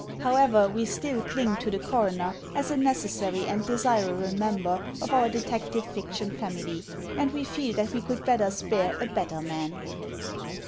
However, we still cling to the coroner as a necessary and desirable member of our detective fiction family, and we feel that we could better spare a better man.